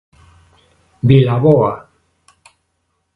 Vilaboa.